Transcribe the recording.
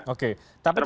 oke tapi tadi